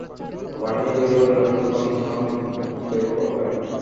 বাহিনী তৈরী হলে রাসূলুল্লাহ সাল্লাল্লাহু আলাইহি ওয়াসাল্লাম অসুস্থ হয়ে পড়লেন।